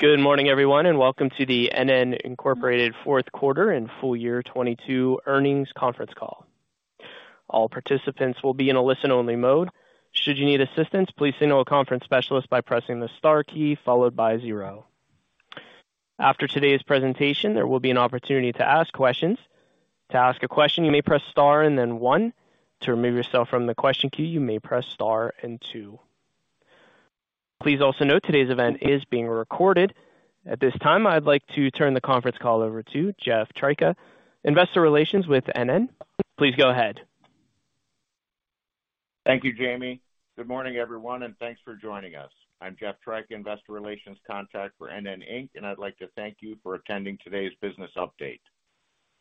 Good morning, everyone. Welcome to the NN, Inc Fourth Quarter and Full Year 2022 Earnings Conference Call. All participants will be in a listen-only mode. Should you need assistance, please signal a conference specialist by pressing the star key followed by zero. After today's presentation, there will be an opportunity to ask questions. To ask a question, you may press star and then one. To remove yourself from the question queue, you may press star and two. Please also note today's event is being recorded. At this time, I'd like to turn the conference call over to Jeff Tryka, Investor Relations with NN. Please go ahead. Thank you, Jamie. Good morning, everyone, and thanks for joining us. I'm Jeff Tryka, Investor Relations Contact for NN, Inc, and I'd like to thank you for attending today's business update.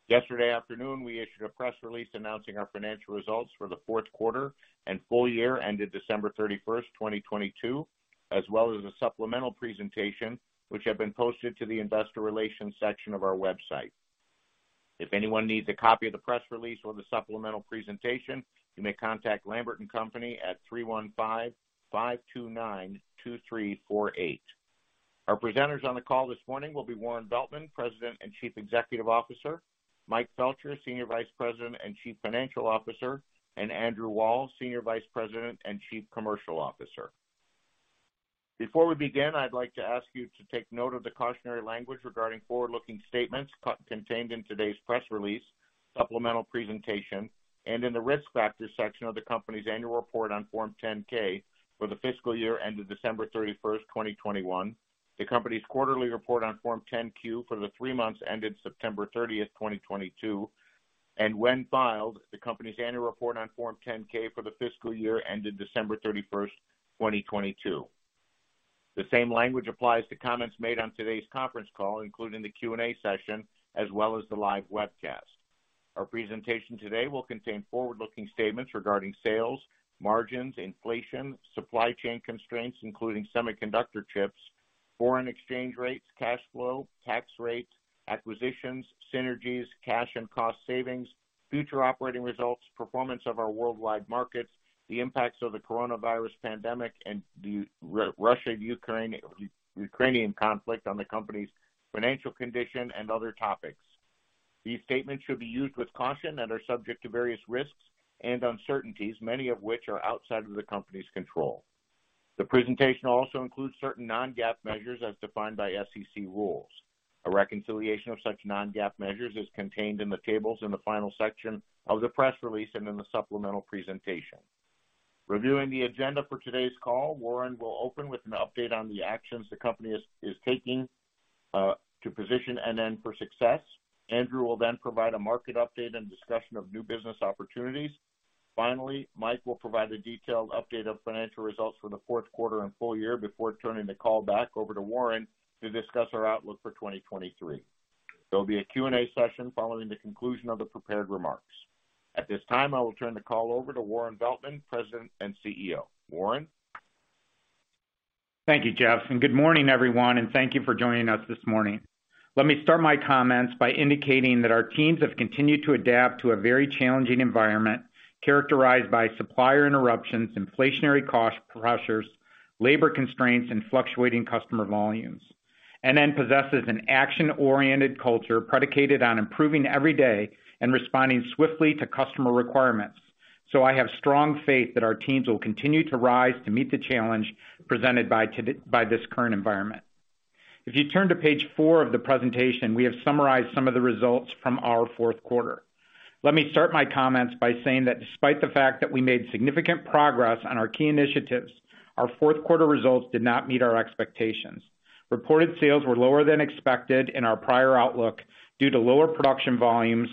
Yesterday afternoon, we issued a press release announcing our financial results for the fourth quarter and full year ended December 31st, 2022, as well as a supplemental presentation which have been posted to the investor relations section of our website. If anyone needs a copy of the press release or the supplemental presentation, you may contact Lambert & Co at 315-529-2348. Our presenters on the call this morning will be Warren Veltman, President and Chief Executive Officer, Mike Felcher, Senior Vice President and Chief Financial Officer, and Andrew Wall, Senior Vice President and Chief Commercial Officer. Before we begin, I'd like to ask you to take note of the cautionary language regarding forward-looking statements contained in today's press release, supplemental presentation, and in the Risk Factors section of the company's annual report on Form 10-K for the fiscal year ended December 31st, 2021, the company's quarterly report on Form 10-Q for the three months ended September 30th, 2022, and when filed, the company's annual report on Form 10-K for the fiscal year ended December 31st, 2022. The same language applies to comments made on today's conference call, including the Q&A session, as well as the live webcast. Our presentation today will contain forward-looking statements regarding sales, margins, inflation, supply chain constraints, including semiconductor chips, foreign exchange rates, cash flow, tax rates, acquisitions, synergies, cash and cost savings, future operating results, performance of our worldwide markets, the impacts of the coronavirus pandemic and the Russia, Ukraine, Ukrainian conflict on the company's financial condition and other topics. These statements should be used with caution and are subject to various risks and uncertainties, many of which are outside of the company's control. The presentation also includes certain non-GAAP measures as defined by SEC rules. A reconciliation of such non-GAAP measures is contained in the tables in the final section of the press release and in the supplemental presentation. Reviewing the agenda for today's call, Warren will open with an update on the actions the company is taking to position NN for success. Andrew Wall will provide a market update and discussion of new business opportunities. Finally, Mike Felcher will provide a detailed update of financial results for the fourth quarter and full year before turning the call back over to Warren to discuss our outlook for 2023. There'll be a Q&A session following the conclusion of the prepared remarks. At this time, I will turn the call over to Warren Veltman, President and CEO. Warren. Thank you, Jeff. Good morning, everyone. Thank you for joining us this morning. Let me start my comments by indicating that our teams have continued to adapt to a very challenging environment characterized by supplier interruptions, inflationary cost pressures, labor constraints, and fluctuating customer volumes. NN possesses an action-oriented culture predicated on improving every day and responding swiftly to customer requirements. I have strong faith that our teams will continue to rise to meet the challenge presented by this current environment. If you turn to page four of the presentation, we have summarized some of the results from our fourth quarter. Let me start my comments by saying that despite the fact that we made significant progress on our key initiatives, our fourth quarter results did not meet our expectations. Reported sales were lower than expected in our prior outlook due to lower production volumes,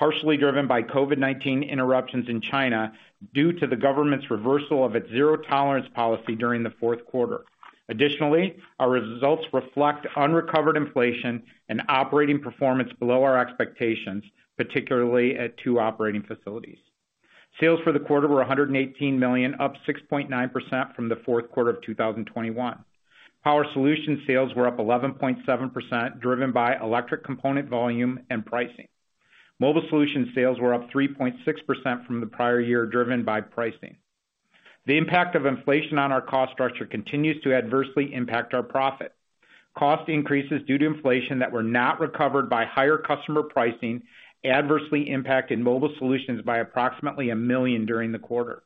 partially driven by COVID-19 interruptions in China due to the government's reversal of its zero-tolerance policy during the fourth quarter. Additionally, our results reflect unrecovered inflation and operating performance below our expectations, particularly at two operating facilities. Sales for the quarter were $118 million, up 6.9% from the fourth quarter of 2021. Power Solutions sales were up 11.7%, driven by electric component volume and pricing. Mobile Solutions sales were up 3.6% from the prior year, driven by pricing. The impact of inflation on our cost structure continues to adversely impact our profit. Cost increases due to inflation that were not recovered by higher customer pricing adversely impacted Mobile Solutions by approximately a million during the quarter.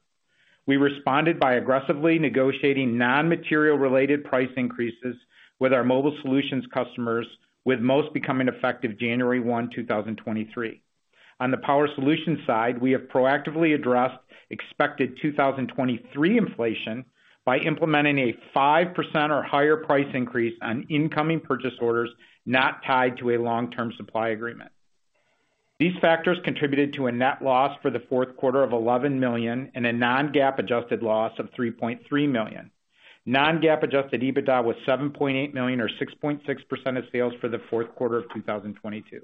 We responded by aggressively negotiating non-material related price increases with our Mobile Solutions customers, with most becoming effective January 1, 2023. On the Power Solutions side, we have proactively addressed expected 2023 inflation by implementing a 5% or higher price increase on incoming purchase orders not tied to a long-term supply agreement. These factors contributed to a net loss for the fourth quarter of $11 million and a non-GAAP adjusted loss of $3.3 million. Non-GAAP adjusted EBITDA was $7.8 million or 6.6% of sales for the fourth quarter of 2022.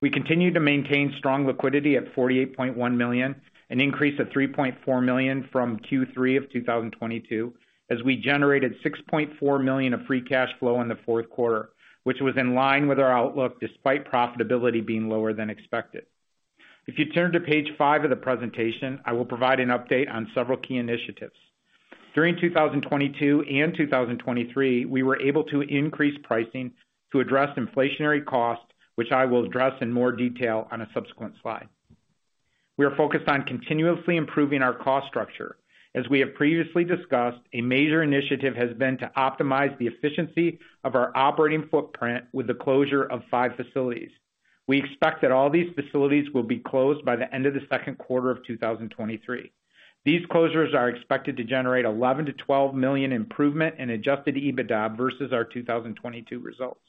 We continue to maintain strong liquidity at $48.1 million, an increase of $3.4 million from Q3 of 2022, as we generated $6.4 million of free cash flow in the fourth quarter, which was in line with our outlook despite profitability being lower than expected. If you turn to page five of the presentation, I will provide an update on several key initiatives. During 2022 and 2023, we were able to increase pricing to address inflationary costs, which I will address in more detail on a subsequent slide. We are focused on continuously improving our cost structure. As we have previously discussed, a major initiative has been to optimize the efficiency of our operating footprint with the closure of five facilities. We expect that all these facilities will be closed by the end of the second quarter of 2023. These closures are expected to generate $11 million-$12 million improvement in adjusted EBITDA versus our 2022 results.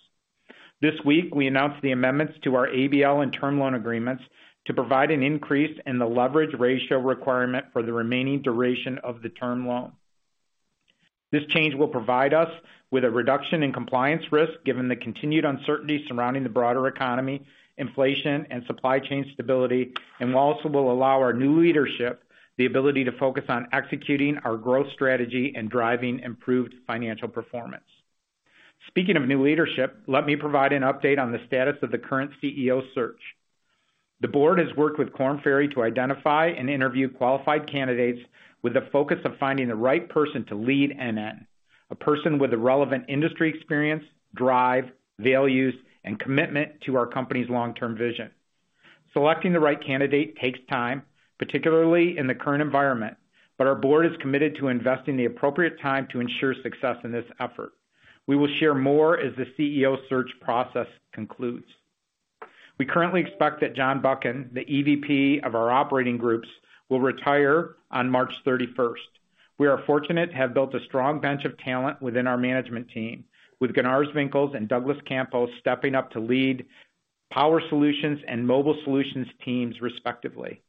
This week, we announced the amendments to our ABL and term loan agreements to provide an increase in the leverage ratio requirement for the remaining duration of the term loan. This change will provide us with a reduction in compliance risk, given the continued uncertainty surrounding the broader economy, inflation and supply chain stability, and also will allow our new leadership the ability to focus on executing our growth strategy and driving improved financial performance. Speaking of new leadership, let me provide an update on the status of the current CEO search. The Board has worked with Korn Ferry to identify and interview qualified candidates with the focus of finding the right person to lead NN. A person with the relevant industry experience, drive, values, and commitment to our company's long-term vision. Selecting the right candidate takes time, particularly in the current environment, but our Board is committed to investing the appropriate time to ensure success in this effort. We will share more as the CEO search process concludes. We currently expect that John Buchan, the EVP of our operating groups, will retire on March 31st. We are fortunate to have built a strong bench of talent within our management team with Gunars Vinkels and Douglas Campos stepping up to lead Power Solutions and Mobile Solutions teams respectively.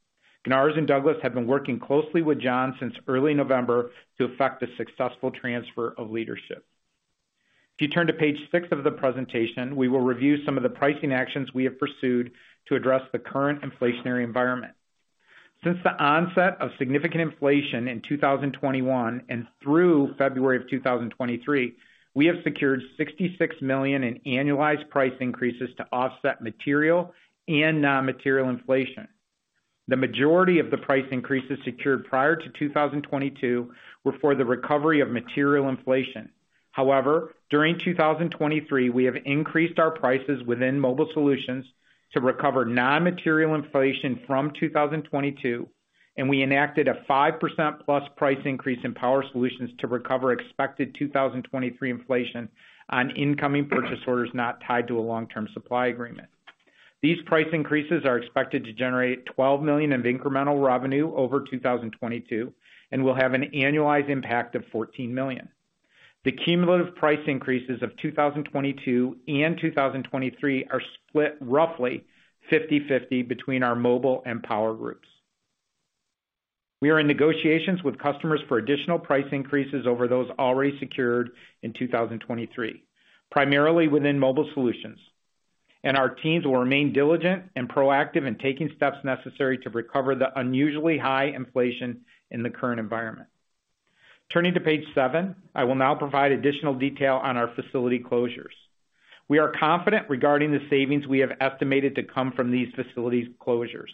Gunars and Douglas have been working closely with John since early November to effect a successful transfer of leadership. If you turn to page six of the presentation, we will review some of the pricing actions we have pursued to address the current inflationary environment. Since the onset of significant inflation in 2021 and through February of 2023, we have secured $66 million in annualized price increases to offset material and non-material inflation. The majority of the price increases secured prior to 2022 were for the recovery of material inflation. During 2023, we have increased our prices within Mobile Solutions to recover non-material inflation from 2022, and we enacted a 5%+ price increase in Power Solutions to recover expected 2023 inflation on incoming purchase orders not tied to a long-term supply agreement. These price increases are expected to generate $12 million of incremental revenue over 2022 and will have an annualized impact of $14 million. The cumulative price increases of 2022 and 2023 are split roughly 50/50 between our Mobile and Power groups. We are in negotiations with customers for additional price increases over those already secured in 2023, primarily within Mobile Solutions. Our teams will remain diligent and proactive in taking steps necessary to recover the unusually high inflation in the current environment. Turning to page seven, I will now provide additional detail on our facility closures. We are confident regarding the savings we have estimated to come from these facilities closures.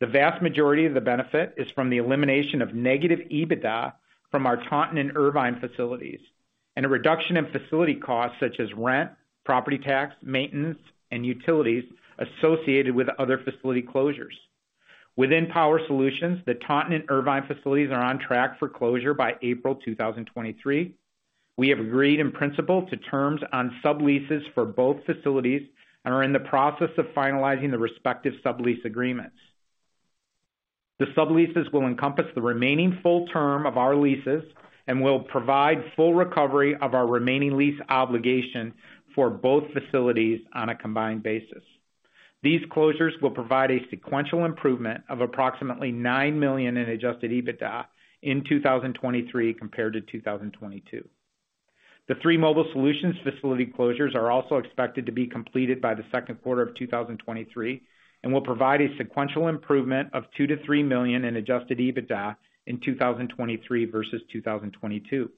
The vast majority of the benefit is from the elimination of negative EBITDA from our Taunton and Irvine facilities, and a reduction in facility costs such as rent, property tax, maintenance, and utilities associated with other facility closures. Within Power Solutions, the Taunton and Irvine facilities are on track for closure by April 2023. We have agreed in principle to terms on subleases for both facilities and are in the process of finalizing the respective sublease agreements. The subleases will encompass the remaining full term of our leases and will provide full recovery of our remaining lease obligation for both facilities on a combined basis. These closures will provide a sequential improvement of approximately $9 million in adjusted EBITDA in 2023 compared to 2022. The three Mobile Solutions facility closures are also expected to be completed by the second quarter of 2023 and will provide a sequential improvement of $2 million-$3 million in adjusted EBITDA in 2023 versus 2022.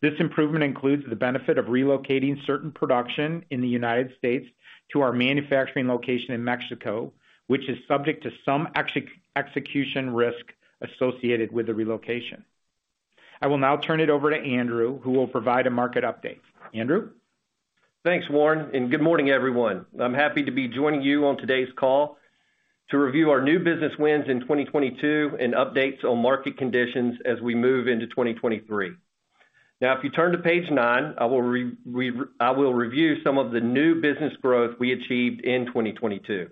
This improvement includes the benefit of relocating certain production in the United States to our manufacturing location in Mexico, which is subject to some execution risk associated with the relocation. I will now turn it over to Andrew, who will provide a market update. Andrew? Thanks, Warren. Good morning, everyone. I'm happy to be joining you on today's call to review our new business wins in 2022 and updates on market conditions as we move into 2023. If you turn to page nine, I will review some of the new business growth we achieved in 2022.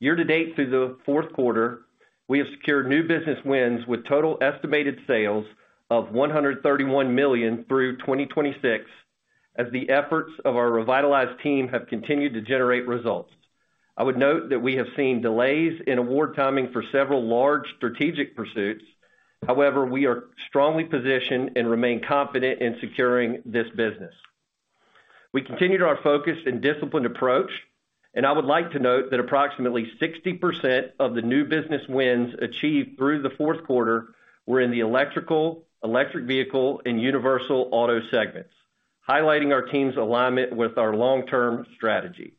Year-to-date through the fourth quarter, we have secured new business wins with total estimated sales of $131 million through 2026 as the efforts of our revitalized team have continued to generate results. I would note that we have seen delays in award timing for several large strategic pursuits. We are strongly positioned and remain confident in securing this business. We continued our focus and disciplined approach. I would like to note that approximately 60% of the new business wins achieved through the fourth quarter were in the electrical, electric vehicle, and universal auto segments. Highlighting our team's alignment with our long-term strategy.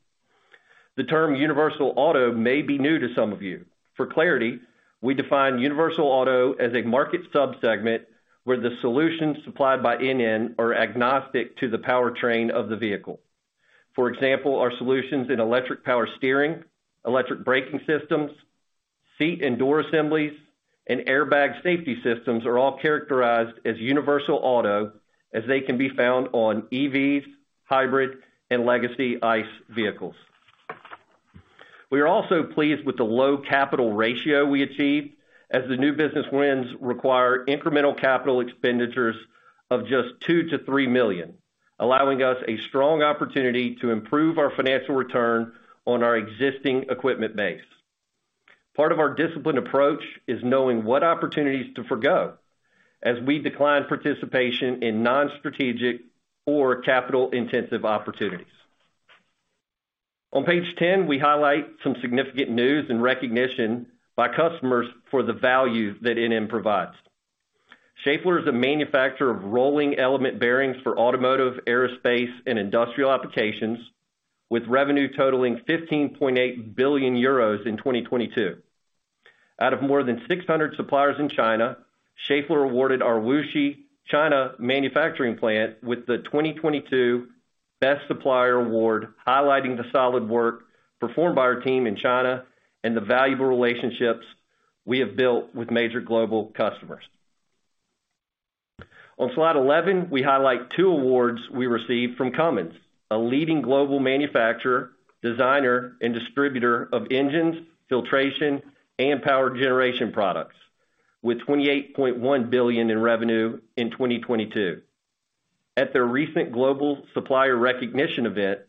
The term universal auto may be new to some of you. For clarity, we define universal auto as a market sub-segment where the solutions supplied by NN are agnostic to the powertrain of the vehicle. For example, our solutions in electric power steering, electric braking systems, seat and door assemblies, and airbag safety systems are all characterized as universal auto as they can be found on EVs, hybrid, and legacy ICE vehicles. We are also pleased with the low capital ratio we achieved as the new business wins require incremental capital expenditures of just $2 million-$3 million, allowing us a strong opportunity to improve our financial return on our existing equipment base. Part of our disciplined approach is knowing what opportunities to forgo as we decline participation in non-strategic or capital-intensive opportunities. On page 10, we highlight some significant news and recognition by customers for the value that NN provides. Schaeffler is a manufacturer of rolling element bearings for automotive, aerospace, and industrial applications, with revenue totaling 15.8 billion euros in 2022. Out of more than 600 suppliers in China, Schaeffler awarded our Wuxi, China manufacturing plant with the 2022 Best Supplier Award, highlighting the solid work performed by our team in China and the valuable relationships we have built with major global customers. On slide 11, we highlight two awards we received from Cummins, a leading global manufacturer, designer, and distributor of engines, filtration, and power generation products, with $28.1 billion in revenue in 2022. At their recent global supplier recognition event,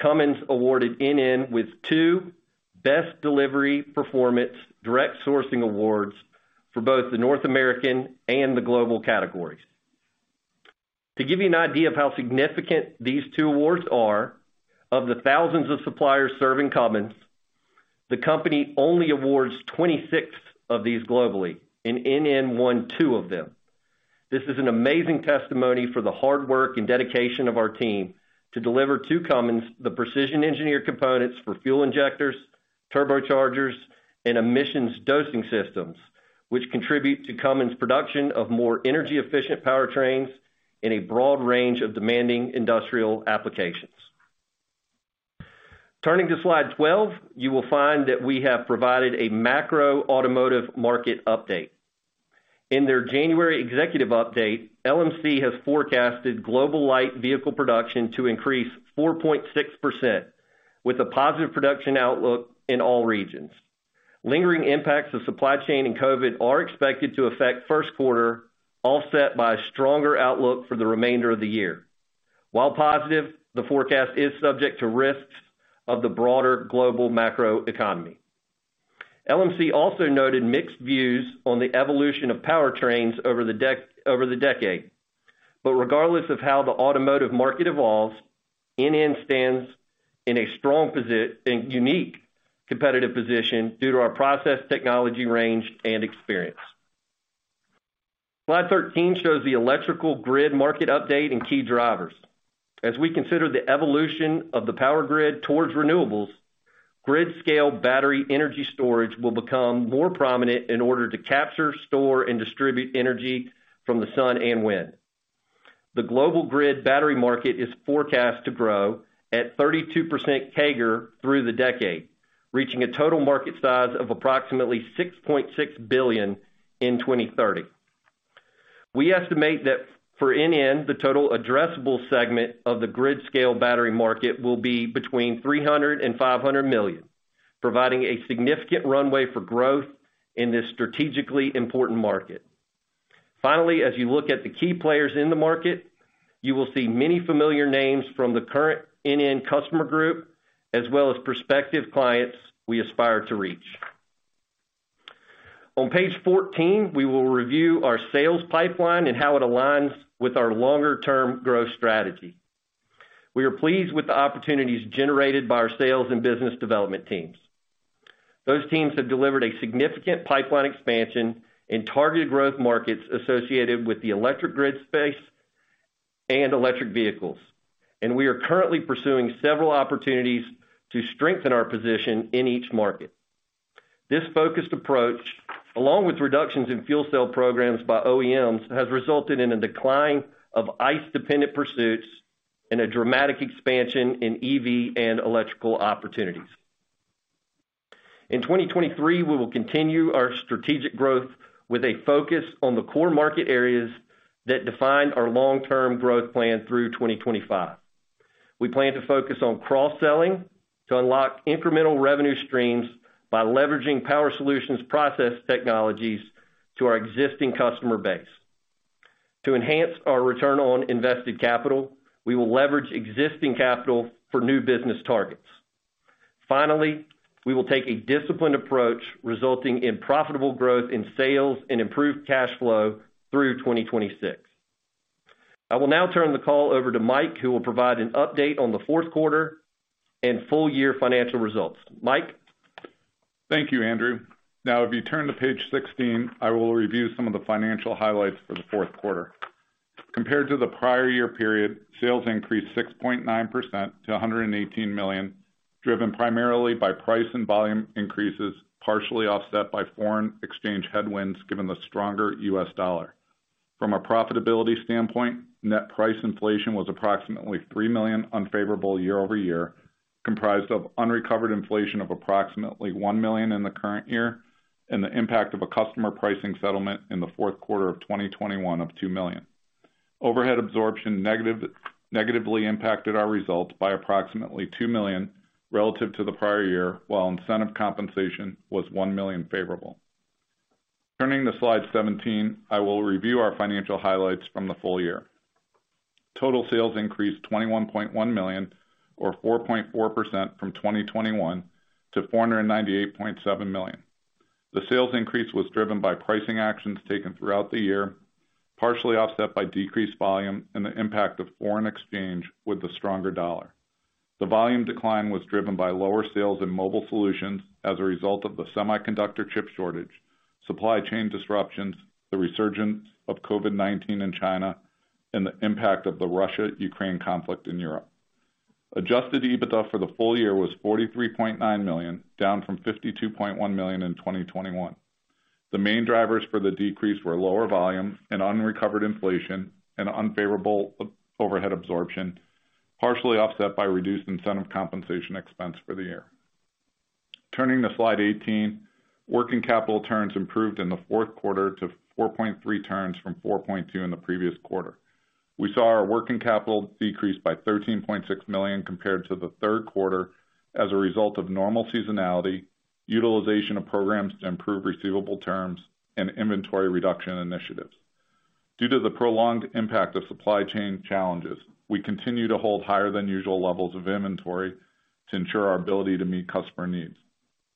Cummins awarded NN with two best delivery performance direct sourcing awards for both the North American and the global categories. To give you an idea of how significant these two awards are, of the thousands of suppliers serving Cummins, the company only awards 26 of these globally, and NN won two of them. This is an amazing testimony for the hard work and dedication of our team to deliver to Cummins the precision engineered components for fuel injectors, turbochargers, and emissions dosing systems, which contribute to Cummins' production of more energy-efficient powertrains in a broad range of demanding industrial applications. Turning to slide 12, you will find that we have provided a macro automotive market update. In their January executive update, LMC has forecasted global light vehicle production to increase 4.6%, with a positive production outlook in all regions. Lingering impacts of supply chain and COVID are expected to affect first quarter, offset by a stronger outlook for the remainder of the year. While positive, the forecast is subject to risks of the broader global macro economy. LMC also noted mixed views on the evolution of powertrains over the decade. Regardless of how the automotive market evolves, NN stands in a unique competitive position due to our process technology range and experience. Slide 13 shows the electrical grid market update and key drivers. As we consider the evolution of the power grid towards renewables, grid-scale battery energy storage will become more prominent in order to capture, store, and distribute energy from the sun and wind. The global grid battery market is forecast to grow at 32% CAGR through the decade, reaching a total market size of approximately $6.6 billion in 2030. We estimate that for NN, the total addressable segment of the grid-scale battery market will be between $300 million-$500 million, providing a significant runway for growth in this strategically important market. Finally, as you look at the key players in the market, you will see many familiar names from the current NN customer group, as well as prospective clients we aspire to reach. On page 14, we will review our sales pipeline and how it aligns with our longer-term growth strategy. We are pleased with the opportunities generated by our sales and business development teams. Those teams have delivered a significant pipeline expansion in targeted growth markets associated with the electric grid space and electric vehicles. We are currently pursuing several opportunities to strengthen our position in each market. This focused approach, along with reductions in fuel cell programs by OEMs, has resulted in a decline of ICE-dependent pursuits and a dramatic expansion in EV and electrical opportunities. In 2023, we will continue our strategic growth with a focus on the core market areas that define our long-term growth plan through 2025. We plan to focus on cross-selling to unlock incremental revenue streams by leveraging Power Solutions process technologies to our existing customer base. To enhance our return on invested capital, we will leverage existing capital for new business targets. Finally, we will take a disciplined approach resulting in profitable growth in sales and improved cash flow through 2026. I will now turn the call over to Mike, who will provide an update on the fourth quarter and full year financial results. Mike? Thank you, Andrew. Now if you turn to page 16, I will review some of the financial highlights for the fourth quarter. Compared to the prior year period, sales increased 6.9% to $118 million, driven primarily by price and volume increases, partially offset by foreign exchange headwinds given the stronger U.S. dollar. From a profitability standpoint, net price inflation was approximately $3 million unfavorable year-over-year, comprised of unrecovered inflation of approximately $1 million in the current year and the impact of a customer pricing settlement in the fourth quarter of 2021 of $2 million. Overhead absorption negatively impacted our results by approximately $2 million relative to the prior year, while incentive compensation was $1 million favorable. Turning to slide 17, I will review our financial highlights from the full year. Total sales increased $21.1 million or 4.4% from 2021 to $498.7 million. The sales increase was driven by pricing actions taken throughout the year, partially offset by decreased volume and the impact of foreign exchange with the stronger dollar. The volume decline was driven by lower sales in Mobile Solutions as a result of the semiconductor chip shortage, supply chain disruptions, the resurgence of COVID-19 in China, and the impact of the Russia-Ukraine conflict in Europe. Adjusted EBITDA for the full year was $43.9 million, down from $52.1 million in 2021. The main drivers for the decrease were lower volume and unrecovered inflation and unfavorable overhead absorption, partially offset by reduced incentive compensation expense for the year. Turning to slide 18, working capital turns improved in the fourth quarter to 4.3 turns from 4.2 in the previous quarter. We saw our working capital decrease by $13.6 million compared to the third quarter as a result of normal seasonality, utilization of programs to improve receivable terms, and inventory reduction initiatives. Due to the prolonged impact of supply chain challenges, we continue to hold higher than usual levels of inventory to ensure our ability to meet customer needs.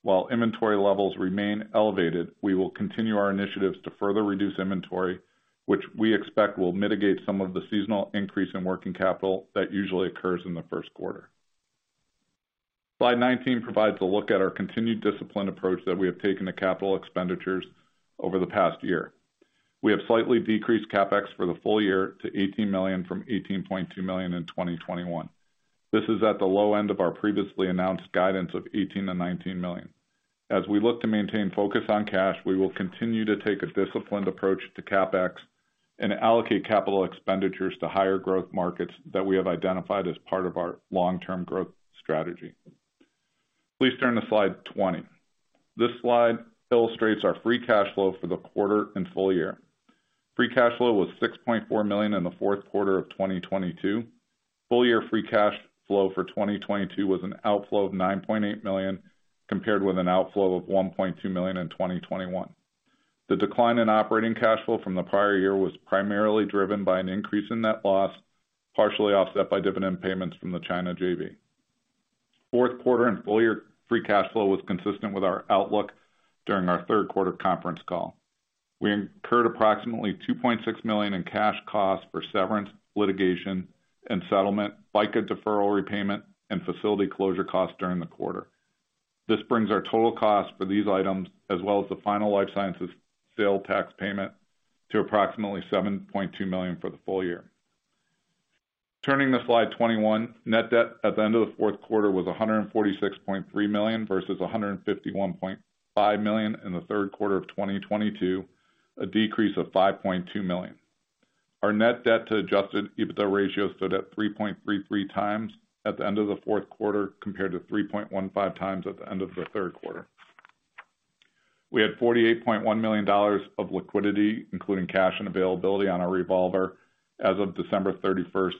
While inventory levels remain elevated, we will continue our initiatives to further reduce inventory, which we expect will mitigate some of the seasonal increase in working capital that usually occurs in the first quarter. Slide 19 provides a look at our continued disciplined approach that we have taken to capital expenditures over the past year. We have slightly decreased CapEx for the full year to $18 million from $18.2 million in 2021. This is at the low end of our previously announced guidance of $18 million-$19 million. As we look to maintain focus on cash, we will continue to take a disciplined approach to CapEx and allocate capital expenditures to higher growth markets that we have identified as part of our long-term growth strategy. Please turn to slide 20. This slide illustrates our free cash flow for the quarter and full year. Free cash flow was $6.4 million in the fourth quarter of 2022. Full year free cash flow for 2022 was an outflow of $9.8 million, compared with an outflow of $1.2 million in 2021. The decline in operating cash flow from the prior year was primarily driven by an increase in net loss, partially offset by dividend payments from the China JV. Fourth quarter and full year free cash flow was consistent with our outlook during our third quarter conference call. We incurred approximately $2.6 million in cash costs for severance, litigation, and settlement, FICA deferral repayment, and facility closure costs during the quarter. This brings our total cost for these items, as well as the final life sciences sales tax payment, to approximately $7.2 million for the full year. Turning to slide 21, net debt at the end of the fourth quarter was $146.3 million versus $151.5 million in the third quarter of 2022, a decrease of $5.2 million. Our net debt to adjusted EBITDA ratio stood at 3.33x at the end of the fourth quarter, compared to 3.15x at the end of the third quarter. We had $48.1 million of liquidity, including cash and availability on our revolver, as of December 31st.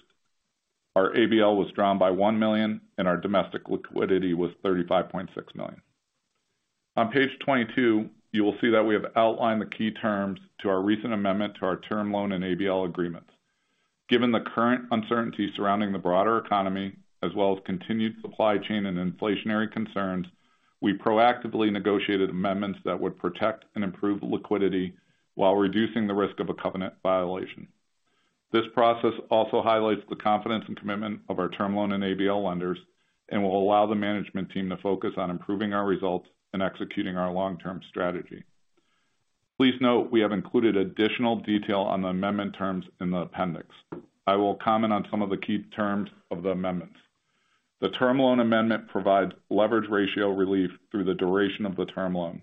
Our ABL was drawn by $1 million, and our domestic liquidity was $35.6 million. On page 22, you will see that we have outlined the key terms to our recent amendment to our term loan and ABL agreements. Given the current uncertainty surrounding the broader economy as well as continued supply chain and inflationary concerns, we proactively negotiated amendments that would protect and improve liquidity while reducing the risk of a covenant violation. This process also highlights the confidence and commitment of our term loan and ABL lenders and will allow the management team to focus on improving our results and executing our long-term strategy. Please note we have included additional detail on the amendment terms in the appendix. I will comment on some of the key terms of the amendments. The term loan amendment provides leverage ratio relief through the duration of the term loan.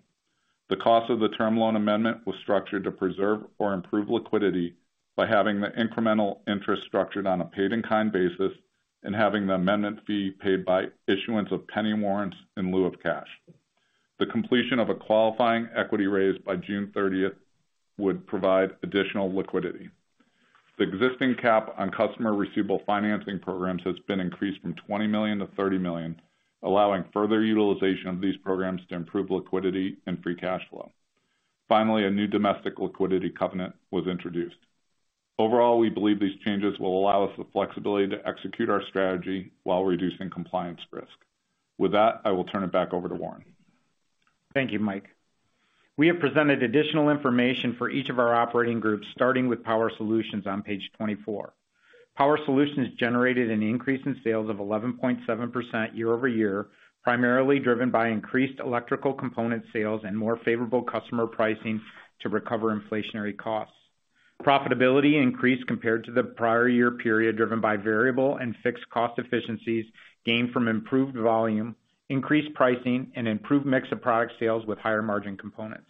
The cost of the term loan amendment was structured to preserve or improve liquidity by having the incremental interest structured on a paid-in-kind basis and having the amendment fee paid by issuance of penny warrants in lieu of cash. The completion of a qualifying equity raise by June 30th would provide additional liquidity. The existing cap on customer receivable financing programs has been increased from $20 million to $30 million, allowing further utilization of these programs to improve liquidity and free cash flow. A new domestic liquidity covenant was introduced. We believe these changes will allow us the flexibility to execute our strategy while reducing compliance risk. With that, I will turn it back over to Warren. Thank you, Mike. We have presented additional information for each of our operating groups, starting with Power Solutions on page 24. Power Solutions generated an increase in sales of 11.7% year-over-year, primarily driven by increased electrical component sales and more favorable customer pricing to recover inflationary costs. Profitability increased compared to the prior year period, driven by variable and fixed cost efficiencies gained from improved volume, increased pricing, and improved mix of product sales with higher margin components.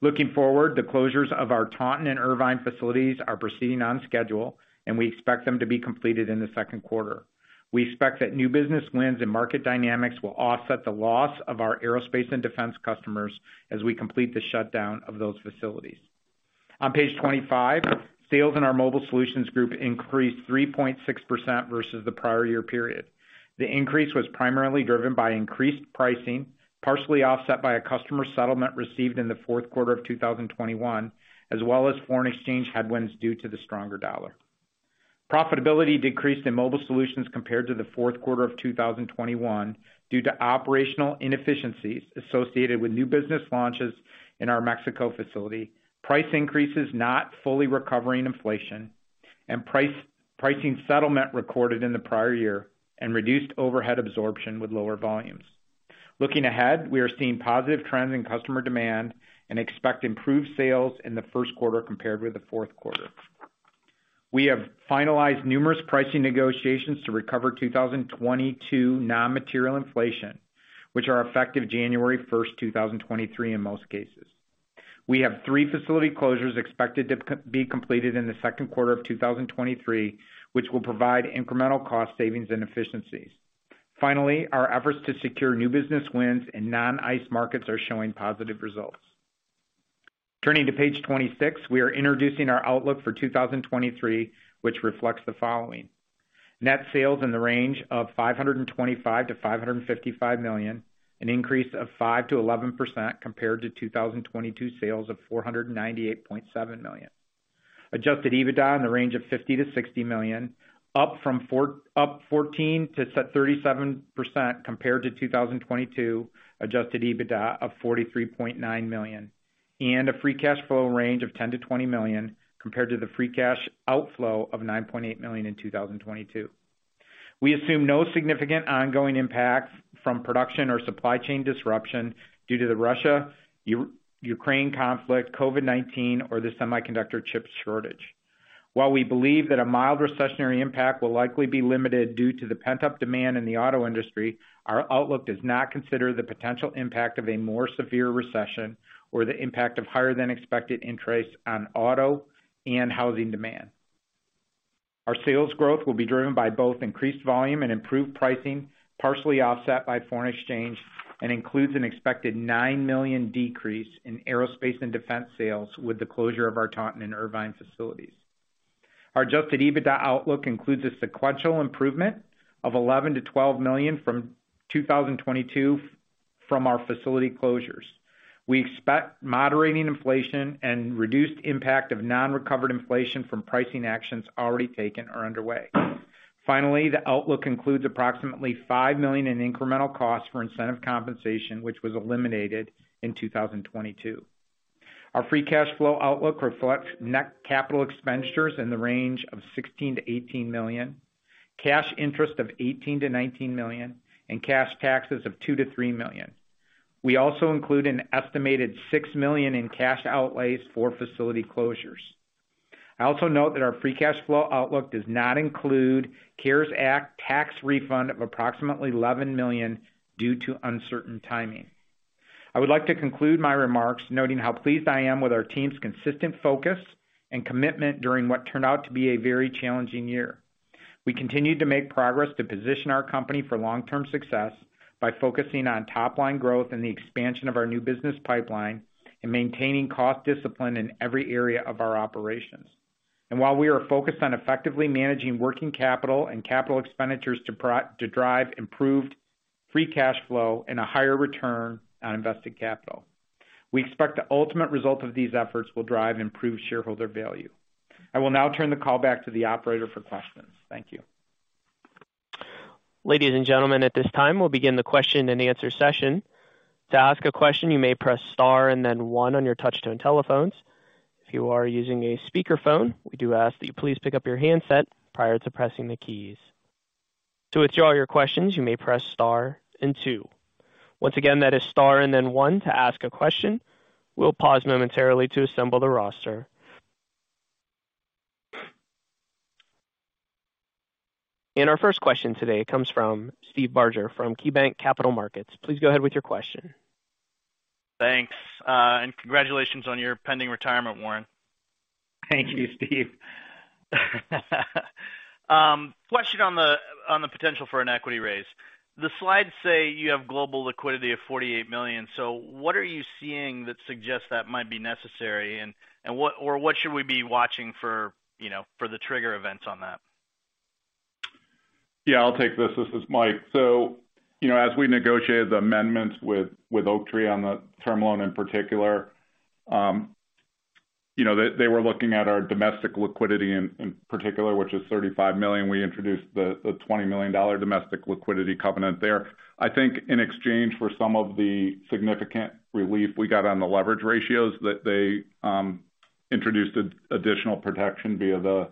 Looking forward, the closures of our Taunton and Irvine facilities are proceeding on schedule, and we expect them to be completed in the second quarter. We expect that new business wins and market dynamics will offset the loss of our aerospace and defense customers as we complete the shutdown of those facilities. On page 25, sales in our Mobile Solutions group increased 3.6% versus the prior year period. The increase was primarily driven by increased pricing, partially offset by a customer settlement received in the fourth quarter of 2021, as well as foreign exchange headwinds due to the stronger dollar. Profitability decreased in Mobile Solutions compared to the fourth quarter of 2021 due to operational inefficiencies associated with new business launches in our Mexico facility, price increases not fully recovering inflation, and pricing settlement recorded in the prior year and reduced overhead absorption with lower volumes. Looking ahead, we are seeing positive trends in customer demand and expect improved sales in the first quarter compared with the fourth quarter. We have finalized numerous pricing negotiations to recover 2022 non-material inflation, which are effective January 1st, 2023, in most cases. We have three facility closures expected to be completed in the second quarter of 2023, which will provide incremental cost savings and efficiencies. Finally, our efforts to secure new business wins in non-ICE markets are showing positive results. Turning to page 26, we are introducing our outlook for 2023, which reflects the following: Net sales in the range of $525 million-$555 million, an increase of 5%-11% compared to 2022 sales of $498.7 million. Adjusted EBITDA in the range of $50 million-$60 million, up 14%-37% compared to 2022 adjusted EBITDA of $43.9 million. A free cash flow range of $10 million-$20 million compared to the free cash outflow of $9.8 million in 2022. We assume no significant ongoing impacts from production or supply chain disruption due to the Russia-Ukraine conflict, COVID-19, or the semiconductor chip shortage. While we believe that a mild recessionary impact will likely be limited due to the pent-up demand in the auto industry, our outlook does not consider the potential impact of a more severe recession or the impact of higher than expected interest on auto and housing demand. Our sales growth will be driven by both increased volume and improved pricing, partially offset by foreign exchange, and includes an expected $9 million decrease in aerospace and defense sales with the closure of our Taunton and Irvine facilities. Our adjusted EBITDA outlook includes a sequential improvement of $11 million-$12 million from 2022 from our facility closures. We expect moderating inflation and reduced impact of non-recovered inflation from pricing actions already taken are underway. Finally, the outlook includes approximately $5 million in incremental costs for incentive compensation, which was eliminated in 2022. Our free cash flow outlook reflects net capital expenditures in the range of $16 million-$18 million, cash interest of $18 million-$19 million, and cash taxes of $2 million-$3 million. We also include an estimated $6 million in cash outlays for facility closures. I also note that our free cash flow outlook does not include CARES Act tax refund of approximately $11 million due to uncertain timing. I would like to conclude my remarks noting how pleased I am with our team's consistent focus and commitment during what turned out to be a very challenging year. We continued to make progress to position our company for long-term success by focusing on top line growth and the expansion of our new business pipeline and maintaining cost discipline in every area of our operations. While we are focused on effectively managing working capital and capital expenditures to drive improved free cash flow and a higher return on invested capital, we expect the ultimate result of these efforts will drive improved shareholder value. I will now turn the call back to the operator for questions. Thank you. Ladies and gentlemen, at this time, we'll begin the question and answer session. To ask a question, you may press star and then one on your touch-tone telephones. If you are using a speakerphone, we do ask that you please pick up your handset prior to pressing the keys. To withdraw your questions, you may press star and two. Once again, that is star and then one to ask a question. We'll pause momentarily to assemble the roster. Our first question today comes from Steve Barger from KeyBanc Capital Markets. Please go ahead with your question. Thanks, and congratulations on your pending retirement, Warren. Thank you, Steve. question on the, on the potential for an equity raise. The slides say you have global liquidity of $48 million. What are you seeing that suggests that might be necessary? What should we be watching for, you know, for the trigger events on that? Yeah, I'll take this. This is Mike. As we negotiated the amendments with Oaktree on the term loan in particular, they were looking at our domestic liquidity in particular, which is $35 million. We introduced the $20 million domestic liquidity covenant there. I think in exchange for some of the significant relief we got on the leverage ratios that they introduced additional protection via the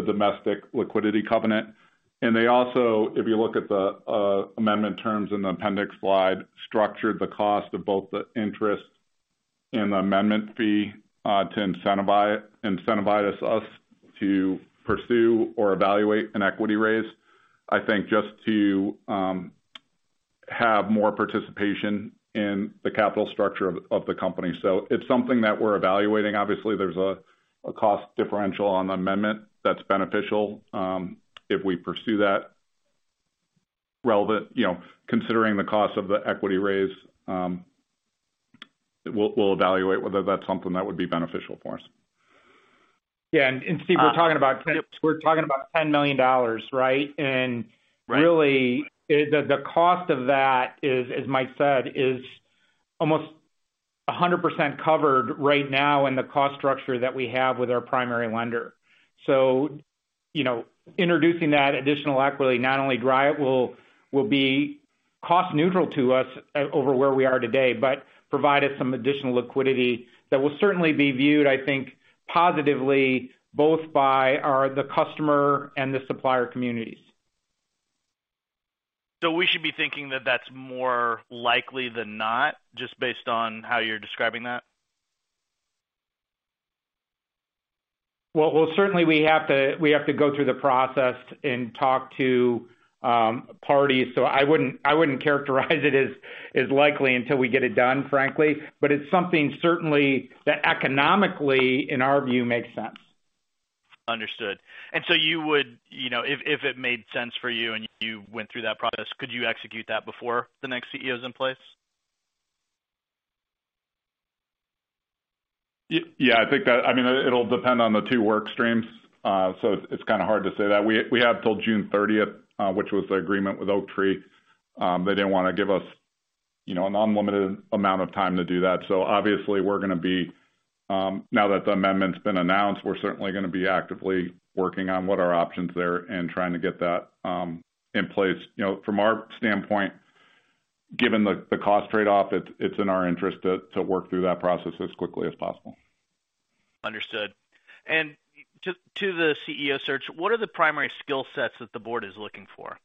domestic liquidity covenant. They also, if you look at the amendment terms in the appendix slide, structured the cost of both the interest and the amendment fee to incentivize us to pursue or evaluate an equity raise, I think just to have more participation in the capital structure of the company. It's something that we're evaluating. Obviously, there's a cost differential on the amendment that's beneficial. If we pursue that relevant, you know, considering the cost of the equity raise, we'll evaluate whether that's something that would be beneficial for us. Yeah. Steve, we're talking about $10 million, right? Right. Really, the cost of that is, as Mike said, is almost 100% covered right now in the cost structure that we have with our primary lender. You know, introducing that additional equity not only will be cost neutral to us over where we are today, but provide us some additional liquidity that will certainly be viewed, I think, positively both by the customer and the supplier communities. We should be thinking that that's more likely than not, just based on how you're describing that? Well, certainly we have to go through the process and talk to parties. I wouldn't characterize it as likely until we get it done, frankly. It's something certainly that economically, in our view, makes sense. Understood. You would, you know, if it made sense for you and you went through that process, could you execute that before the next CEO is in place? Yeah, I think that, I mean, it'll depend on the two work streams. It's kind of hard to say that. We have till June thirtieth, which was the agreement with Oaktree. They didn't wanna give us, you know, an unlimited amount of time to do that. Obviously, we're gonna be, now that the amendment's been announced, we're certainly gonna be actively working on what are our options there and trying to get that in place. You know, from our standpoint, given the cost trade-off, it's in our interest to work through that process as quickly as possible. Understood. To the CEO search, what are the primary skill sets that the Board is looking for?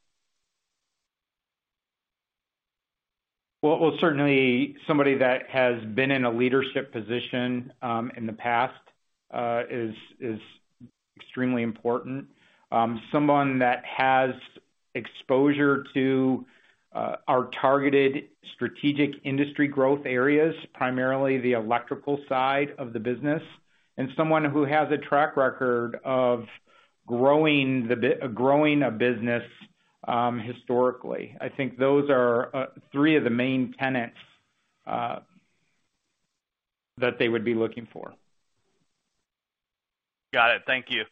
Well, well, certainly somebody that has been in a leadership position, in the past, is extremely important. Someone that has exposure to our targeted strategic industry growth areas, primarily the electrical side of the business, and someone who has a track record of growing a business, historically. I think those are three of the main tenets that they would be looking for. Got it. Thank you.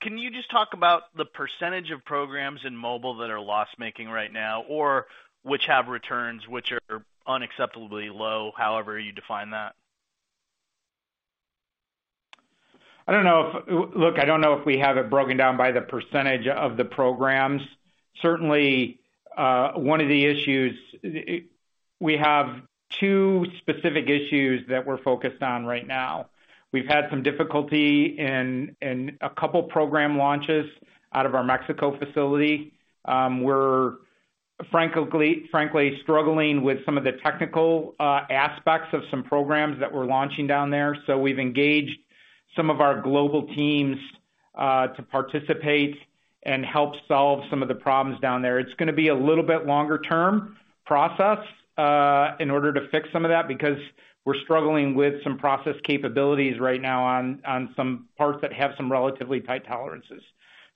Can you just talk about the % of programs in mobile that are loss-making right now, or which have returns which are unacceptably low, however you define that? I don't know if we have it broken down by the percentage of the programs. Certainly, one of the issues. We have two specific issues that we're focused on right now. We've had some difficulty in a couple program launches out of our Mexico facility. We're frankly struggling with some of the technical aspects of some programs that we're launching down there. We've engaged some of our global teams to participate and help solve some of the problems down there. It's gonna be a little bit longer term process in order to fix some of that because we're struggling with some process capabilities right now on some parts that have some relatively tight tolerances.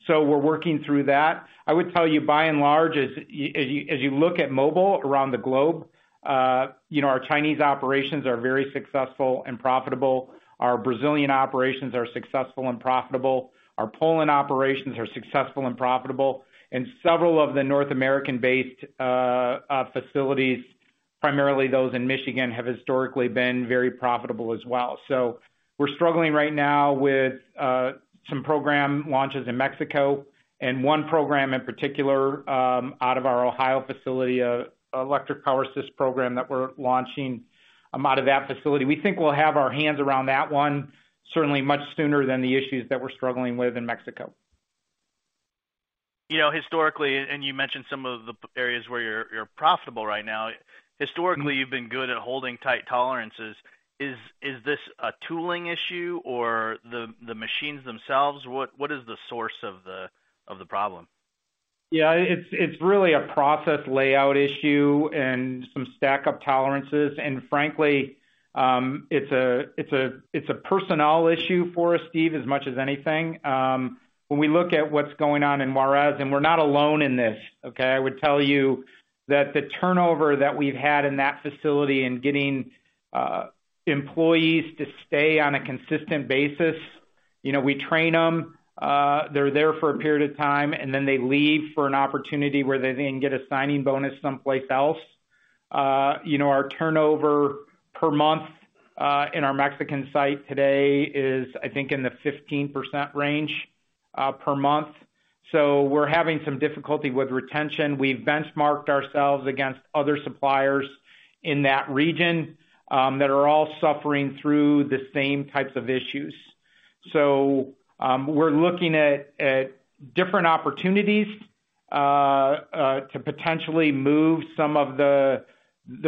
We're working through that. I would tell you, by and large, as you look at mobile around the globe, you know, our Chinese operations are very successful and profitable. Our Brazilian operations are successful and profitable. Our Poland operations are successful and profitable. Several of the North American-based facilities, primarily those in Michigan, have historically been very profitable as well. We're struggling right now with some program launches in Mexico and one program in particular out of our Ohio facility, electric power assist program that we're launching out of that facility. We think we'll have our hands around that one certainly much sooner than the issues that we're struggling with in Mexico. You know, historically, you mentioned some of the areas where you're profitable right now. Historically, you've been good at holding tight tolerances. Is this a tooling issue or the machines themselves? What is the source of the problem? Yeah, it's really a process layout issue and some stack-up tolerances. Frankly, it's a personnel issue for us, Steve, as much as anything. When we look at what's going on in Juarez, and we're not alone in this, okay? I would tell you that the turnover that we've had in that facility in getting employees to stay on a consistent basis. You know, we train them, they're there for a period of time, and then they leave for an opportunity where they then get a signing bonus someplace else. You know, our turnover per month in our Mexican site today is, I think, in the 15% range per month. We're having some difficulty with retention. We've benchmarked ourselves against other suppliers in that region that are all suffering through the same types of issues. We're looking at different opportunities to potentially move some of the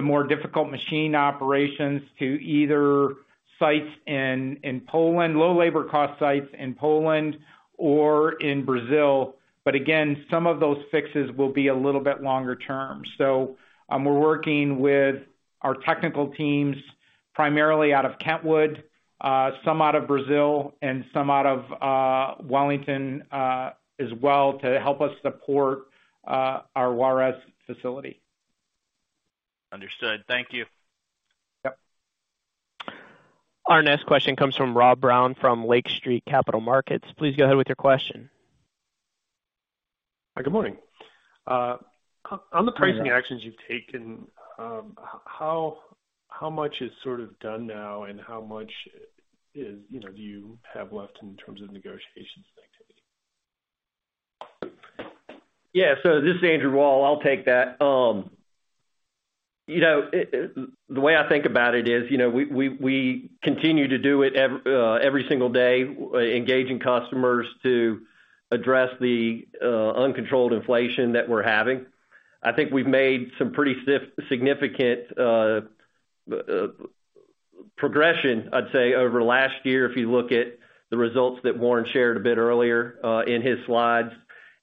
more difficult machine operations to either sites in Poland, low labor cost sites in Poland or in Brazil. Again, some of those fixes will be a little bit longer term. We're working with our technical teams primarily out of Kentwood, some out of Brazil and some out of Wellington as well to help us support our Juarez facility. Understood. Thank you. Yep. Our next question comes from Rob Brown from Lake Street Capital Markets. Please go ahead with your question. Hi, good morning. On the pricing actions you've taken, how much is sort of done now and how much is, you know, do you have left in terms of negotiations and activity? Yeah. This is Andrew Wall. I'll take that. You know, the way I think about it is, you know, we continue to do it every single day, engaging customers to address the uncontrolled inflation that we're having. I think we've made some pretty significant progression, I'd say, over last year, if you look at the results that Warren shared a bit earlier, in his slides.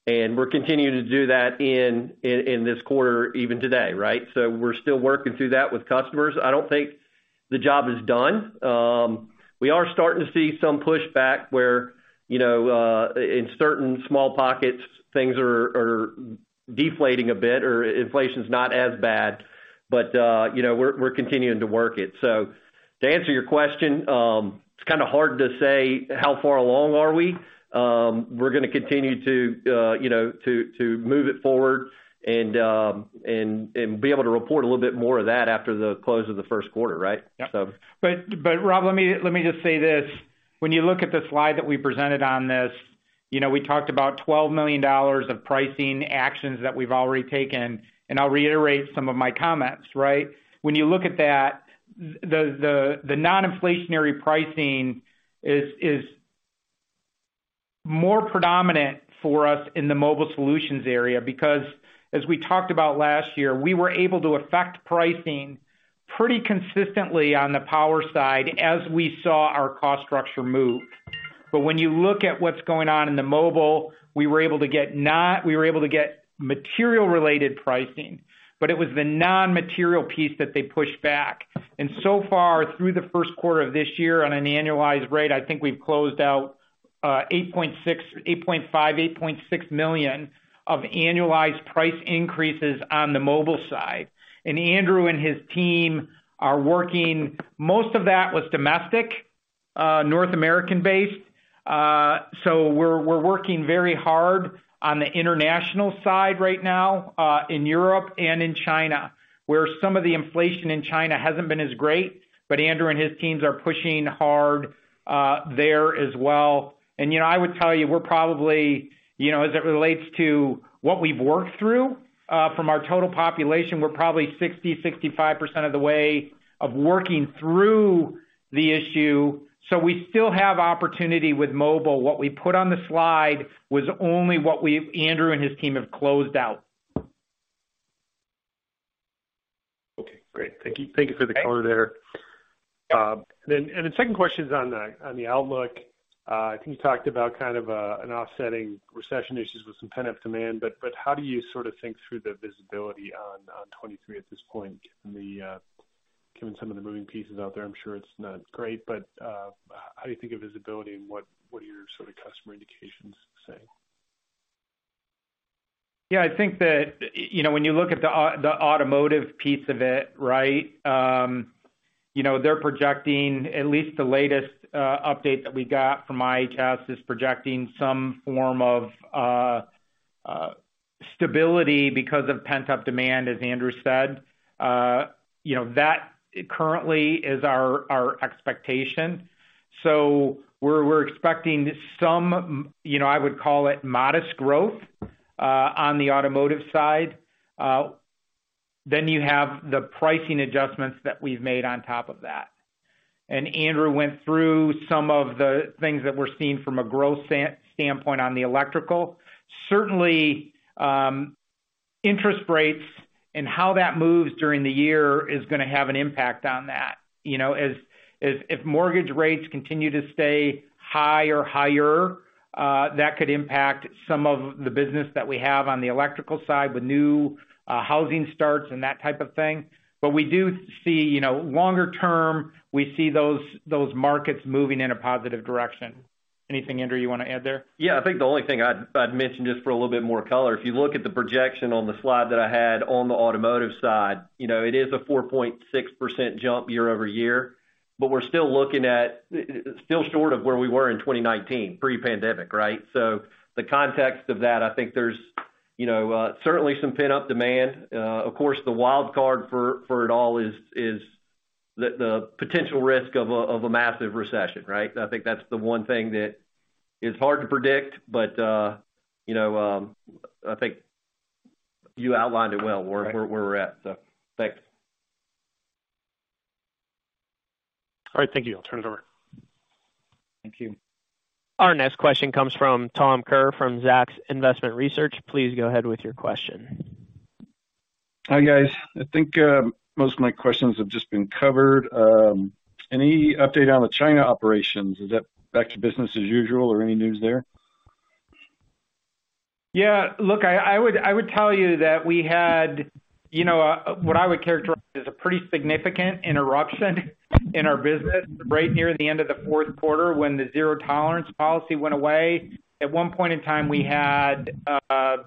We're continuing to do that in this quarter, even today, right? We're still working through that with customers. I don't think the job is done. We are starting to see some pushback where, you know, in certain small pockets, things are deflating a bit or inflation's not as bad, but, you know, we're continuing to work it. To answer your question, it's kinda hard to say how far along are we. We're gonna continue to, you know, to move it forward and be able to report a little bit more of that after the close of the first quarter, right? Rob, let me just say this. When you look at the slide that we presented on this, you know, we talked about $12 million of pricing actions that we've already taken, and I'll reiterate some of my comments, right? When you look at that, the non-inflationary pricing is more predominant for us in the Mobile Solutions area because as we talked about last year, we were able to affect pricing pretty consistently on the Power side as we saw our cost structure move. When you look at what's going on in the Mobile, we were able to get material-related pricing, but it was the non-material piece that they pushed back. So far, through the first quarter of this year, on an annualized rate, I think we've closed out $8.6 million of annualized price increases on the Mobile Solutions side. Andrew and his team are working... Most of that was domestic, North American-based. We're working very hard on the international side right now, in Europe and in China, where some of the inflation in China hasn't been as great. Andrew and his teams are pushing hard there as well. You know, I would tell you, we're probably, you know, as it relates to what we've worked through from our total population, we're probably 60%-65% of the way of working through the issue. We still have opportunity with Mobile Solutions. What we put on the slide was only what Andrew and his team have closed out. Okay, great. Thank you. Thank you for the color there. The second question is on the outlook. I think you talked about kind of an offsetting recession issues with some pent-up demand, but how do you sort of think through the visibility on 2023 at this point, given the given some of the moving pieces out there? I'm sure it's not great, but how do you think of visibility and what are your sort of customer indications say? Yeah, I think that, you know, when you look at the automotive piece of it, right, you know, they're projecting, at least the latest update that we got from IHS, is projecting some form of stability because of pent-up demand, as Andrew said. You know, that currently is our expectation. We're expecting some, you know, I would call it modest growth on the automotive side. You have the pricing adjustments that we've made on top of that. Andrew went through some of the things that we're seeing from a growth standpoint on the electrical. Certainly, interest rates and how that moves during the year is gonna have an impact on that. You know, as. If mortgage rates continue to stay high or higher, that could impact some of the business that we have on the electrical side with new housing starts and that type of thing. We do see, you know, longer term, we see those markets moving in a positive direction. Anything, Andrew, you wanna add there? Yeah. I think the only thing I'd mention just for a little bit more color, if you look at the projection on the slide that I had on the automotive side, you know, it is a 4.6% jump year-over-year. We're still looking at still short of where we were in 2019 pre-pandemic, right? The context of that, I think there's you know, certainly some pent-up demand. Of course, the wild card for it all is the potential risk of a massive recession, right? I think that's the one thing that is hard to predict, you know, I think you outlined it well where we're at. Thanks. All right. Thank you. I'll turn it over. Thank you. Our next question comes from Tom Kerr from Zacks Investment Research. Please go ahead with your question. Hi, guys. I think most of my questions have just been covered. Any update on the China operations? Is that back to business as usual or any news there? Yeah, look, I would tell you that we had, you know, what I would characterize as a pretty significant interruption in our business right near the end of the fourth quarter when the zero-tolerance policy went away. At one point in time, we had, I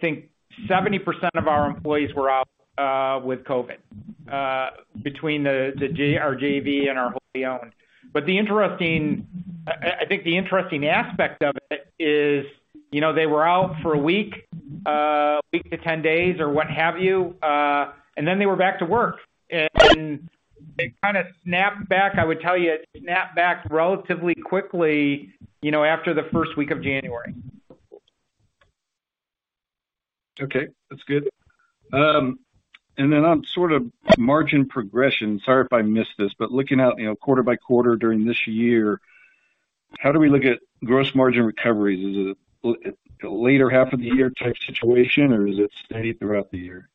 think 70% of our employees were out with COVID between our JV and our wholly owned. I think the interesting aspect of it is, you know, they were out for a week, a week to 10 days or what have you, and then they were back to work. They kinda snapped back relatively quickly, you know, after the first week of January. Okay, that's good. Then on sort of margin progression, sorry if I missed this, looking out, you know, quarter by quarter during this year, how do we look at gross margin recoveries? Is it later half of the year type situation or is it steady throughout the year?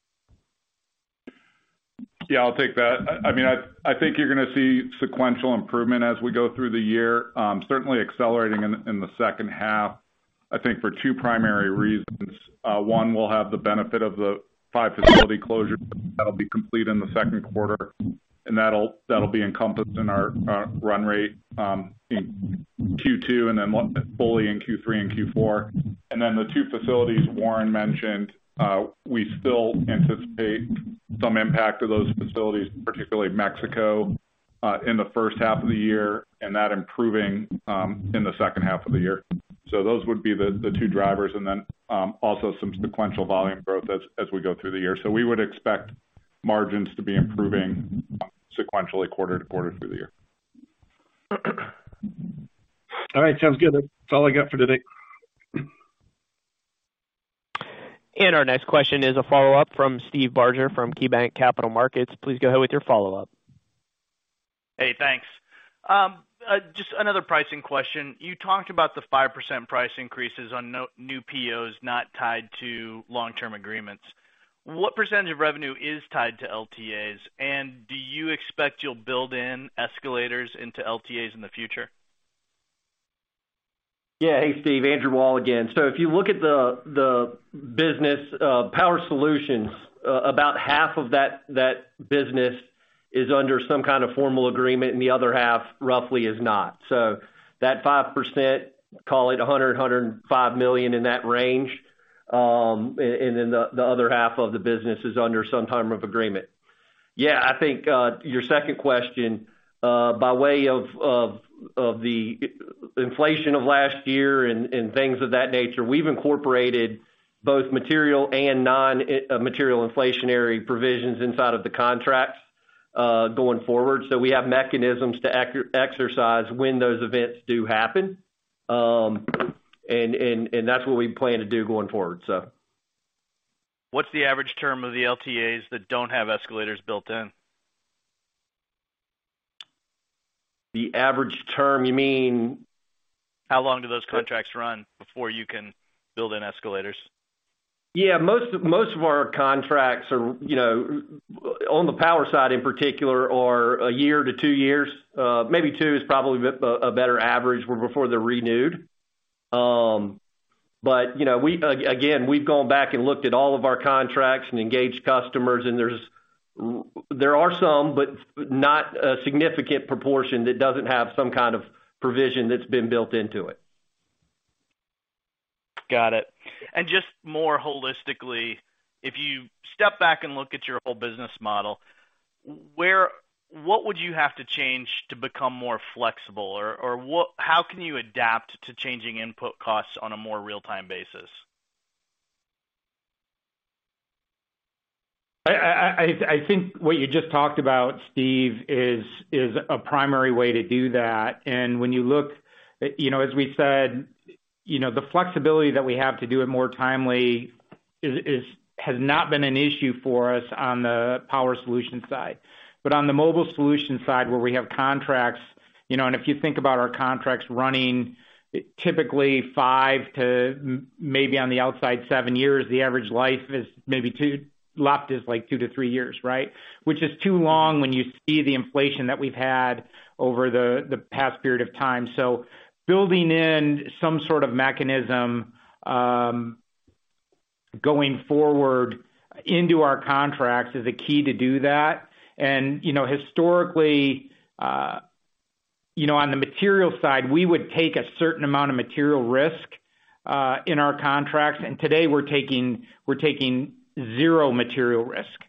Yeah, I'll take that. I mean, I think you're gonna see sequential improvement as we go through the year, certainly accelerating in the second half, I think for two primary reasons. One, we'll have the benefit of the five facility closures that'll be complete in the second quarter, and that'll be encompassed in our run rate in Q2 and then fully in Q3 and Q4. Then the two facilities Warren mentioned, we still anticipate some impact to those facilities, particularly Mexico, in the first half of the year and that improving in the second half of the year. Those would be the two drivers, and then also some sequential volume growth as we go through the year. We would expect margins to be improving sequentially quarter to quarter through the year. All right. Sounds good. That's all I got for today. Our next question is a follow-up from Steve Barger from KeyBanc Capital Markets. Please go ahead with your follow-up. Hey, thanks. Just another pricing question. You talked about the 5% price increases on no-new POs not tied to long-term agreements. What percentage of revenue is tied to LTAs, and do you expect you'll build in escalators into LTAs in the future? Hey, Steve, Andrew Wall again. If you look at the business, Power Solutions, about half of that business is under some kind of formal agreement, and the other half roughly is not. That 5%, call it $100 million-$105 million, in that range, and then the other half of the business is under some type of agreement. I think, to your second question, by way of the inflation of last year and things of that nature, we've incorporated both material and non-material inflationary provisions inside of the contracts going forward. We have mechanisms to exercise when those events do happen. And that's what we plan to do going forward. What's the average term of the LTAs that don't have escalators built in? The average term you mean? How long do those contracts run before you can build in escalators? Yeah. Most of our contracts are, you know, on the Power side in particular, are a year to two years. Maybe two is probably a better average where before they're renewed. You know, again, we've gone back and looked at all of our contracts and engaged customers. There are some, but not a significant proportion that doesn't have some kind of provision that's been built into it. Got it. Just more holistically, if you step back and look at your whole business model, what would you have to change to become more flexible or how can you adapt to changing input costs on a more real-time basis? I think what you just talked about, Steve, is a primary way to do that. When you look, you know, as we said, you know, the flexibility that we have to do it more timely has not been an issue for us on the Power Solutions side. On the Mobile Solutions side, where we have contracts, you know, and if you think about our contracts running typically five to maybe on the outside seven years, the average life is maybe two. Left is like two to three years, right? Which is too long when you see the inflation that we've had over the past period of time. Building in some sort of mechanism, going forward into our contracts is a key to do that. You know, historically, you know, on the material side, we would take a certain amount of material risk, in our contracts, and today we're taking, we're taking zero material risk.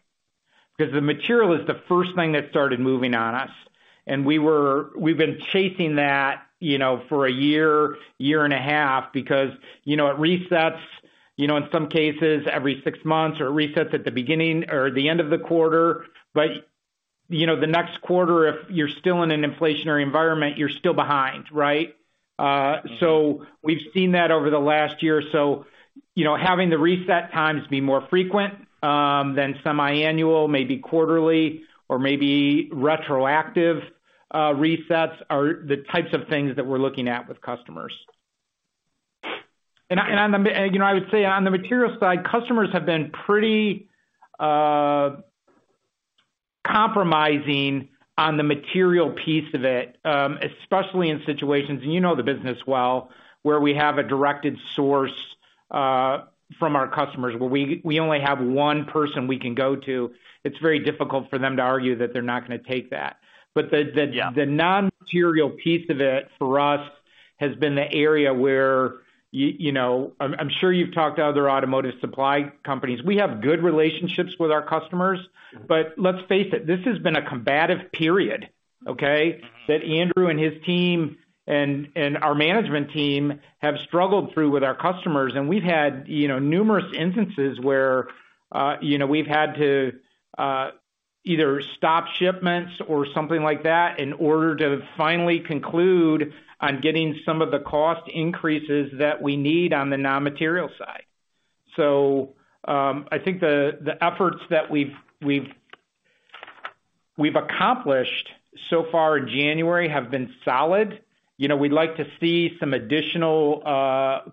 'Cause the material is the first thing that started moving on us, and we've been chasing that, you know, for a year and a half because, you know, it resets, you know, in some cases every six months or it resets at the beginning or the end of the quarter. The next quarter, if you're still in an inflationary environment, you're still behind, right? We've seen that over the last year. You know, having the reset times be more frequent, than semiannual, maybe quarterly or maybe retroactive, resets are the types of things that we're looking at with customers. I'm, you know, I would say on the material side, customers have been pretty compromising on the material piece of it, especially in situations, and you know the business well, where we have a directed source from our customers, where we only have one person we can go to. It's very difficult for them to argue that they're not gonna take that. The Yeah. The non-material piece of it for us has been the area where, you know, I'm sure you've talked to other automotive supply companies. We have good relationships with our customers, but let's face it, this has been a combative period, okay? That Andrew and his team and our management team have struggled through with our customers. We've had, you know, numerous instances where, you know, we've had to either stop shipments or something like that in order to finally conclude on getting some of the cost increases that we need on the non-material side. I think the efforts that we've accomplished so far in January have been solid. You know, we'd like to see some additional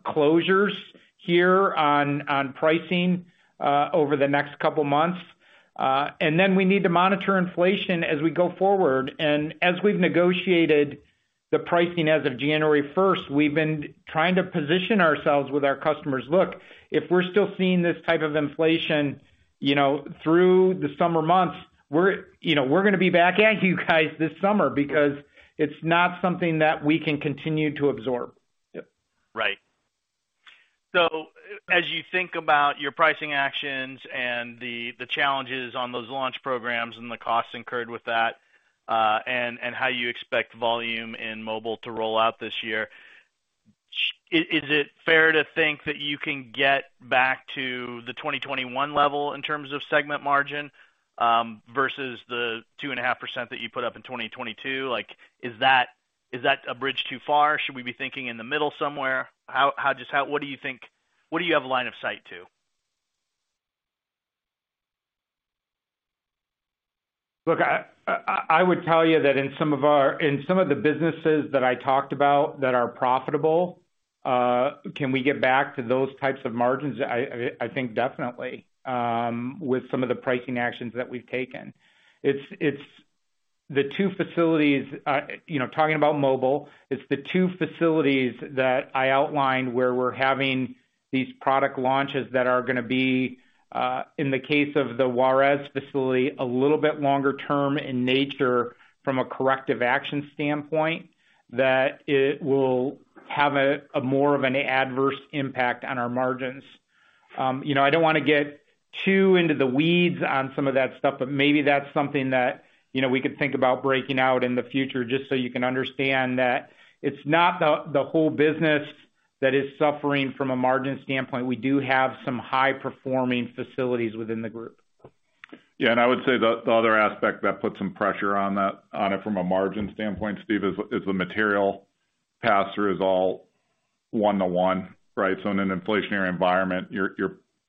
closures here on pricing over the next couple months. We need to monitor inflation as we go forward. As we've negotiated the pricing as of January 1st, we've been trying to position ourselves with our customers. Look, if we're still seeing this type of inflation, you know, through the summer months, we're, you know, we're gonna be back at you guys this summer because it's not something that we can continue to absorb. Yep. Right. As you think about your pricing actions and the challenges on those launch programs and the costs incurred with that, and how you expect volume in Mobile to roll out this year, is it fair to think that you can get back to the 2021 level in terms of segment margin, versus the 2.5% that you put up in 2022? Like, is that, is that a bridge too far? Should we be thinking in the middle somewhere? What do you think? What do you have line of sight to? Look, I would tell you that in some of our, in some of the businesses that I talked about that are profitable, can we get back to those types of margins? I think definitely, with some of the pricing actions that we've taken. You know, talking about Mobile, it's the two facilities that I outlined where we're having these product launches that are gonna be in the case of the Juarez facility, a little bit longer term in nature from a corrective action standpoint, that it will have a more of an adverse impact on our margins. You know, I don't wanna get too into the weeds on some of that stuff. Maybe that's something that, you know, we could think about breaking out in the future just so you can understand that it's not the whole business that is suffering from a margin standpoint. We do have some high performing facilities within the group. Yeah, I would say the other aspect that puts some pressure on it from a margin standpoint, Steve, is the material pass-through is all one-to-one, right? In an inflationary environment,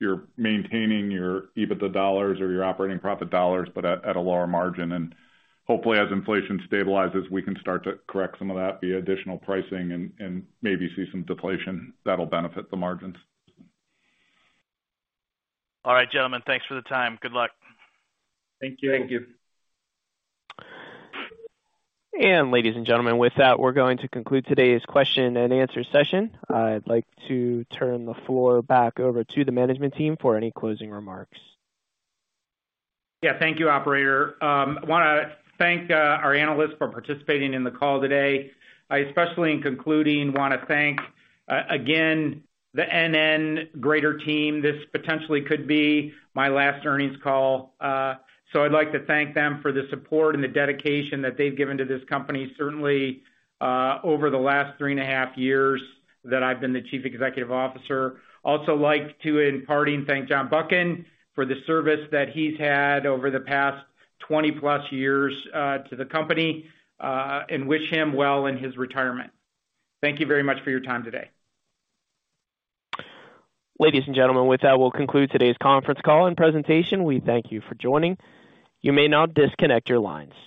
you're maintaining your EBITDA dollars or your operating profit dollars, but at a lower margin. Hopefully, as inflation stabilizes, we can start to correct some of that via additional pricing and maybe see some deflation that'll benefit the margins. All right, gentlemen, thanks for the time. Good luck. Thank you. Thank you. Ladies and gentlemen, with that, we're going to conclude today's question and answer session. I'd like to turn the floor back over to the management team for any closing remarks. Thank you, operator. I wanna thank our analysts for participating in the call today. I especially, in concluding, wanna thank again, the NN Greater team. This potentially could be my last earnings call. I'd like to thank them for the support and the dedication that they've given to this company, certainly, over the last three and a half years that I've been the chief executive officer. Also like to, in parting, thank John Buchan for the service that he's had over the past 20+ years to the company and wish him well in his retirement. Thank you very much for your time today. Ladies and gentlemen, with that, we'll conclude today's conference call and presentation. We thank you for joining. You may now disconnect your lines.